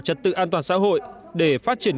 trật tự an toàn xã hội để phát triển